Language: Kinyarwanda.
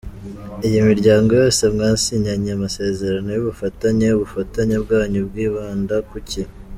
Iyi miryango yose mwasinyanye amasezerano y’ubufatanye, ubufatanye bwanyu bwibanda kuki?.